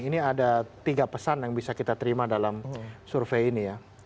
ini ada tiga pesan yang bisa kita terima dalam survei ini ya